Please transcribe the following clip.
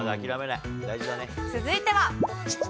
続いては。